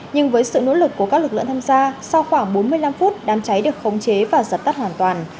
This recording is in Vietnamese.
nhưng với sự nỗ lực của các lực lượng tham gia sau khoảng bốn mươi năm phút đám cháy được khống chế và giật tắt hoàn toàn